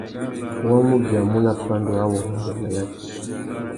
Wa mù biamú nà pandúrâwurrôndô nà yafiya.